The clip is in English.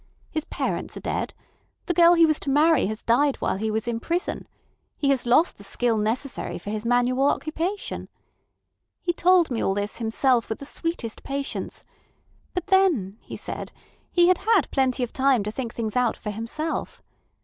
His parents are dead; the girl he was to marry has died while he was in prison; he has lost the skill necessary for his manual occupation. He told me all this himself with the sweetest patience; but then, he said, he had had plenty of time to think out things for himself.